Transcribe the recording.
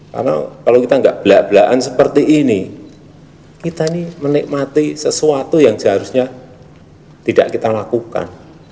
karena kalau kita enggak belak belakan seperti ini kita ini menikmati sesuatu yang seharusnya tidak kita lakukan